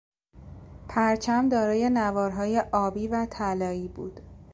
پرچم دارای نوارهای آبی و طلایی بود.